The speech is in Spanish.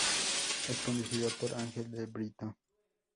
Es conducido por Ángel de Brito.